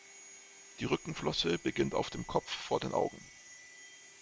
Die Rückenflosse beginnt auf dem Kopf vor den Augen.